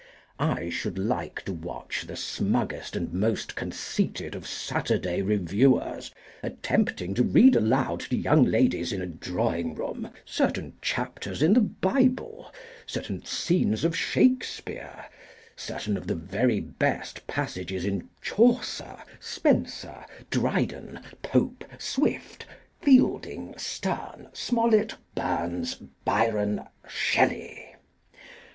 I should like to watch the smuggest and most conceited of Saturday Reviewers attempting to read aloud to young ladies in a drawingroom certain chapters in the Bible, certain scenes of Shakespere, certain of the very best passages in Chaucer, Spenser, Dryden, Pope, Swift, Fielding, Sterne, Smollett, Burns, Byron, Shelley.